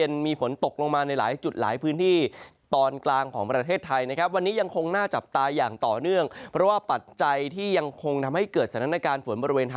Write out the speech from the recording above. นะครับตัวเจ้ยที่ยังคงทำให้เกิดสถานการณ์